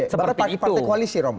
bagaimana partai partai koalisi rom